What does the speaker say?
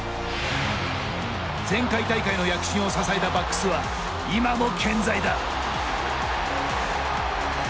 前回大会の躍進を支えたバックスは今も健在だ。